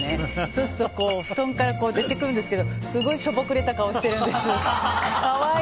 そうすると布団から出てくるんですけどすごいしょぼくれた顔してるんです。